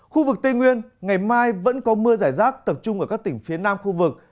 khu vực tây nguyên ngày mai vẫn có mưa giải rác tập trung ở các tỉnh phía nam khu vực